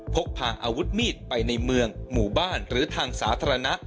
พกพาอาวุธมีดไปในเมืองหมู่บ้านหรือทางสาธารณะ